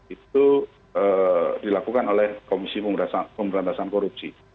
itu dilakukan oleh komisi pemberantasan korupsi